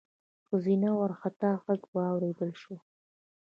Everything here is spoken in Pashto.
ښځينه وارخطا غږ واورېدل شو: